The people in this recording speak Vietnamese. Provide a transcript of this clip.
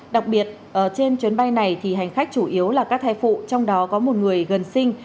đặc biệt trên chuyến bay này thì hành khách chủ yếu là các thai phụ trong đó có một người gần sinh